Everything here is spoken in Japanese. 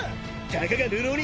たかが流浪人